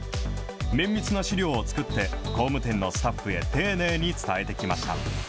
綿密な資料を作って、工務店のスタッフへ丁寧に伝えてきました。